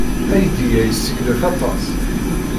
Aydi-a yesseglaf aṭas.